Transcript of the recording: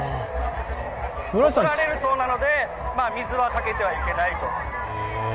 怒られるそうなので水はかけてはいけないと。